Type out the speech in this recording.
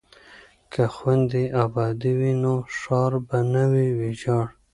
که خویندې ابادې وي نو ښار به نه وي ویجاړ.